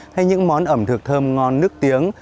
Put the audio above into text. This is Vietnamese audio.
hay những món ẩm thực thơm ngon nước tiếng